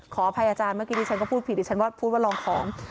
ขออภัยอาจารย์เมื่อกี้ที่ฉันก็พูดผิดดิฉันว่าพูดว่าลองของ